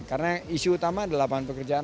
karena isu utama adalah lapangan pekerjaan